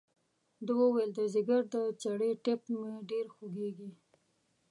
ده وویل د ځګر د چړې ټپ مې ډېر خوږېږي.